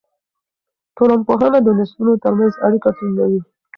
ټولنپوهنه د نسلونو ترمنځ اړیکه ټینګوي.